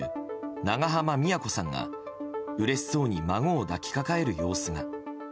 長濱美也子さんが、うれしそうに孫を抱きかかえる様子が。